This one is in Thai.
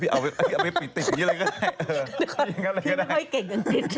พี่ไม่ค่อยเก่งกันจริง